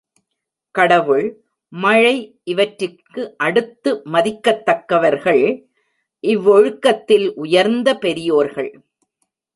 கடவுள், மழை இவற்றிற்கு அடுத்து மதிக்கத் தக்கவர்கள் இவ்வொழுக்கத்தில் உயர்ந்த பெரியோர்கள்.